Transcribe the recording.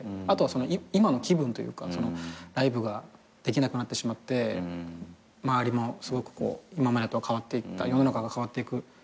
あとは今の気分というかライブができなくなってしまって周りも今までとは変わって世の中が変わっていく。